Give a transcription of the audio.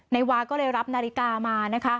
นายวาก็เลยรับนาฬิกามานะคะ